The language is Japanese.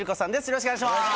よろしくお願いします。